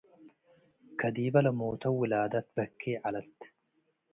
ከዲበ ለሞተው ውላደ ትበኬ' ዐለት።